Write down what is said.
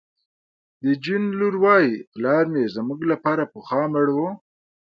د جون لور وایی پلار مې زموږ لپاره پخوا مړ و